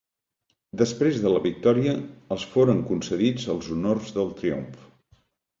Després de la victòria els foren concedits els honors del triomf.